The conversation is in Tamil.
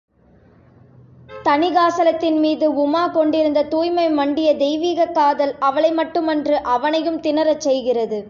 தணிகாசலத்தின் மீது உமா கொண்டிருந்த தூய்மை மண்டிய தெய்வீகக் காதல் அவளைமட்டு மன்று அவனையும் திணறச் செய்கிறது!